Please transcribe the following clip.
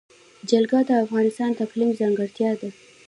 جلګه د افغانستان د اقلیم ځانګړتیا ده.